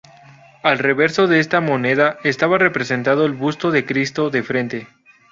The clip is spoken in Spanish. Al reverso de esta moneda estaba representado el busto de Cristo de frente.